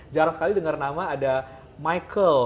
jarang sekali dengar nama ada michael